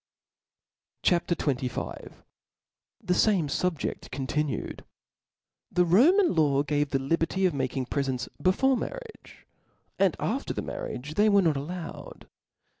CHAP. XXV. 7he fame SubjeB continued. TH E Roman law gave the liberty of mak* ing prefcnts before marriage ; after the mar* riage diey were not allowed.